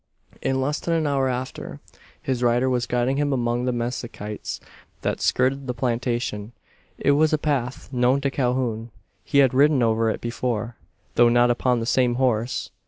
In less than an hour after, his rider was guiding him among the mezquites that skirted the plantation. It was a path known to Calhoun. He had ridden over it before, though not upon the same horse.